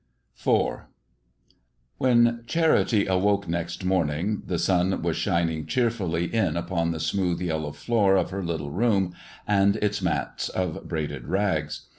IV When Charity awoke next morning the sun was shining cheerfully in upon the smooth yellow floor of her little room and its mats of braided rags.